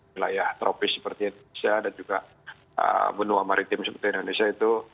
wilayah tropis seperti indonesia dan juga benua maritim seperti indonesia itu